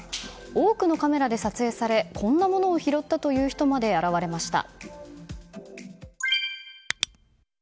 多くのカメラで撮影されこんなものを拾ったという人まで現れました。